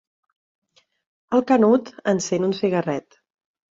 El Canut encén un cigarret.